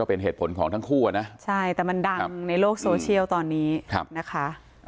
เป็นเหตุผลของทั้งคู่อ่ะนะใช่แต่มันดังในโลกโซเชียลตอนนี้นะคะ